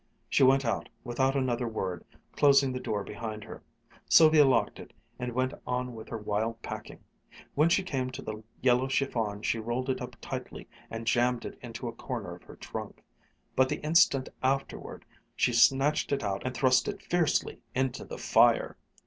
She went out, without another word, closing the door behind her. Sylvia locked it, and went on with her wild packing. When she came to the yellow chiffon she rolled it up tightly and jammed it into a corner of her trunk; but the instant afterward she snatched it out and thrust it fiercely into the fire.